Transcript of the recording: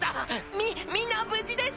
みみんな無事です！